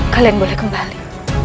kalian boleh kembali